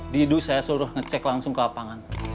didu saya suruh ngecek langsung ke lapangan